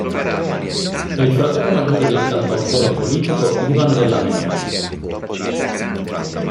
È il fratello maggiore del cantautore politico Ivan Della Mea.